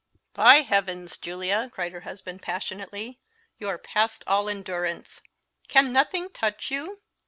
"By heavens, Julia!" cried her husband passionately, "you are past all endurance! Can nothing touch you?